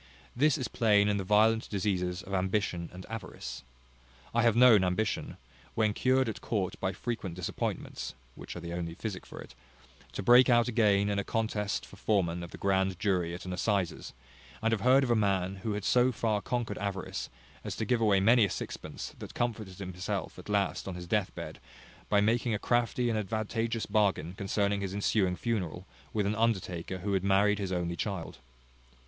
This is plain in the violent diseases of ambition and avarice. I have known ambition, when cured at court by frequent disappointments (which are the only physic for it), to break out again in a contest for foreman of the grand jury at an assizes; and have heard of a man who had so far conquered avarice, as to give away many a sixpence, that comforted himself, at last, on his deathbed, by making a crafty and advantageous bargain concerning his ensuing funeral, with an undertaker who had married his only child.